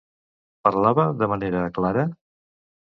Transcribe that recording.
Parlava de manera clara?